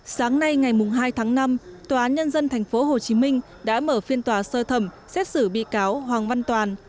sáng nay ngày hai tháng năm tòa án nhân dân tp hcm đã mở phiên tòa sơ thẩm xét xử bị cáo hoàng văn toàn